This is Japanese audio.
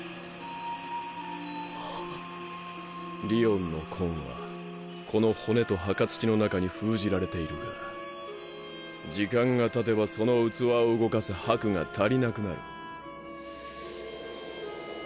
りおんの魂はこの骨と墓土の中に封じられているが時間が経てばその容器を動かす魄が足りなくなる。